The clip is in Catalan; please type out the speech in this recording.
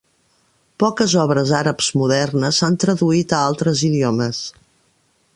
Poques obres àrabs modernes s'han traduït a altres idiomes.